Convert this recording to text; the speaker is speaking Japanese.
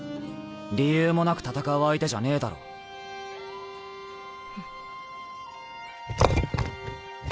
理由もなく戦う相手じゃねえだろう。